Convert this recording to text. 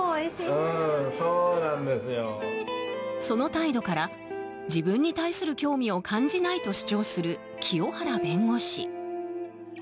その態度から自分に対する興味を感じないと主張する清原弁護士。